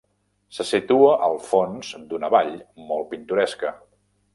Se situa al fons d'una vall molt pintoresca.